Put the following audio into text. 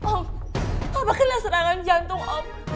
om apa kelihatan serangan jantung om